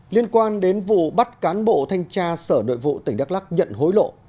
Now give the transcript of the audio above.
liên quan đến vụ bắt cán bộ thanh tra sở nội vụ tỉnh đắk lắc nhận hối lộ